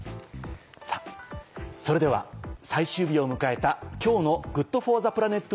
さぁそれでは最終日を迎えたＧｏｏｄＦｏｒｔｈｅＰｌａｎｅｔ